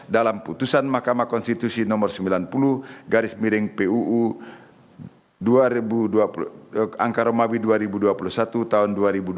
dalam putusan mahkamah konstitusi nomor sembilan puluh garis miring puu dua ribu dua puluh satu tahun dua ribu dua puluh